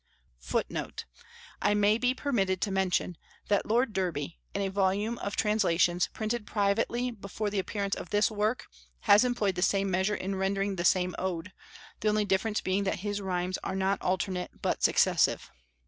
[Footnote: I may be permitted to mention that Lord Derby, in a volume of Translations printed privately before the appearance of this work, has employed the same measure in rendering the same Ode, the only difference being that his rhymes are not alternate, but successive.